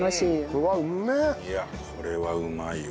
いやこれはうまいわ。